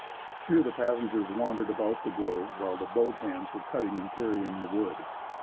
Here the passengers wandered about the grove while the boat hands were cutting and carrying the wood.